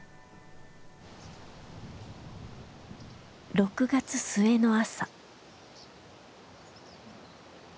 ６月末の朝。